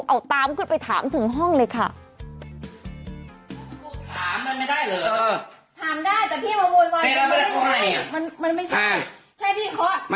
เอาตามขึ้นไปถามถึงห้องเลยค่ะ